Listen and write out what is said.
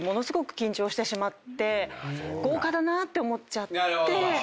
豪華だなって思っちゃって。